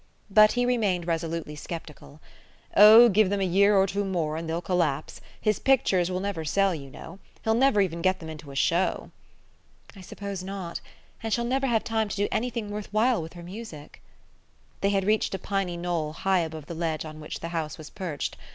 But he remained resolutely skeptical. "Oh, give them a year or two more and they'll collapse ! His pictures will never sell, you know. He'll never even get them into a show." "I suppose not. And she'll never have time to do anything worth while with her music." They had reached a piny knoll high above the ledge on which the house was perched.